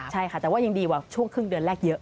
ใช่ค่ะแต่ว่ายังดีกว่าช่วงครึ่งเดือนแรกเยอะ